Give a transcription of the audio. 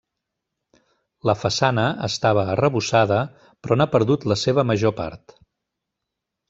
La façana estava arrebossada però n'ha perdut la seva major part.